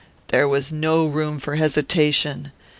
"There was no room for hesitation.